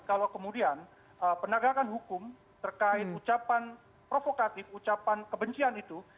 kalau kemudian penegakan hukum terkait ucapan provokatif ucapan kebencian itu